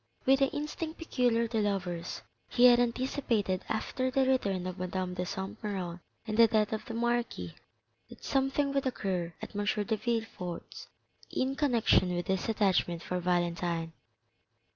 With the instinct peculiar to lovers he had anticipated after the return of Madame de Saint Méran and the death of the marquis, that something would occur at M. de Villefort's in connection with his attachment for Valentine.